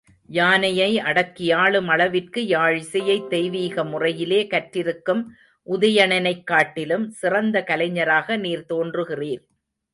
யானையை அடக்கியாளும் அளவிற்கு யாழிசையைத் தெய்வீக முறையிலே கற்றிருக்கும் உதயணனைக் காட்டிலும் சிறந்த கலைஞராக நீர் தோன்றுகிறீர்.